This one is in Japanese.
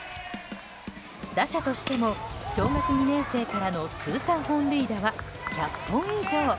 打者としても小学２年生からの通算本塁打は１００本以上。